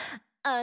あ！